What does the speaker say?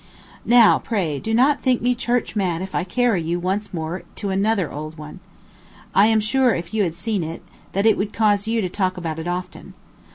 Now, pray, do not think me church mad if I carry you once more to another old one. I am sure, if you had seen it, that it would cause you to talk about it often.